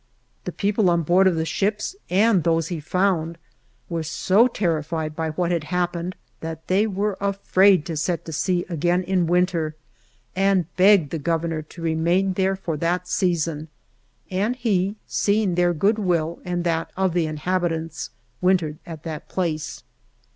The people on board of the ships and those he found were so terrified by* what had hap pened that they were afraid to set to sea again in winter and begged the Governor to remain there for that season, and he, see ing their good will and that of the inhabi tants, wintered at that place.